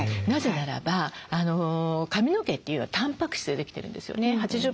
なぜならば髪の毛というのはたんぱく質でできてるんですよね。